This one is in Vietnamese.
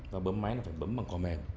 và bấm máy là phải bấm bằng cò mềm